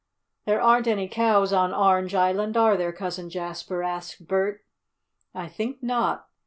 "There aren't any cows on Orange Island; are there, Cousin Jasper?" asked Bert. "I think not.